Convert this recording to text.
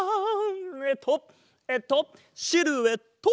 えっとえっとシルエット！